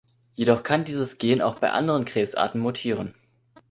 Jedoch kann dieses Gen auch bei anderen Krebsarten mutieren.